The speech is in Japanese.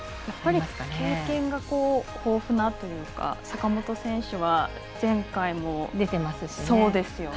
やっぱり経験が豊富なというか坂本選手は前回も出ていますし。